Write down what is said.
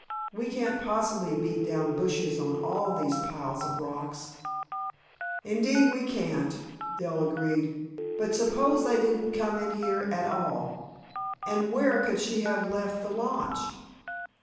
We can't possibly beat down bushes on all these piles of rocks." "Indeed we can't," Dell agreed. "But suppose they didn't come in here at all? And where could she have left the launch?"